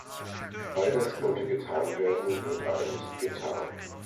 All das könnte getan werden, wird aber nicht getan.